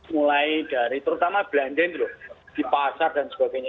mulai dari terutama belanda ini loh di pasar dan sebagainya